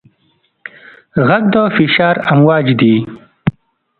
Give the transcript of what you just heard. غږ د فشار امواج دي.